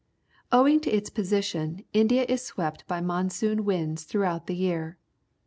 — Owing to its position, India is swept ■ by monsoon winds throughout the year.